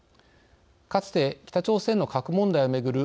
かつて、北朝鮮の核問題を巡る